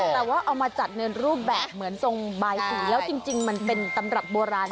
แต่ว่าเอามาจัดในรูปแบบเหมือนทรงบายสีแล้วจริงมันเป็นตำรับโบราณ